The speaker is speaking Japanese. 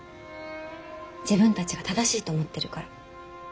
自分たちが正しいと思ってるから。